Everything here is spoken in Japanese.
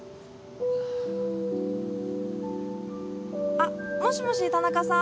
あっもしもし田中さん？